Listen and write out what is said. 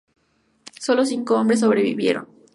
Solo cinco hombres sobrevivieron.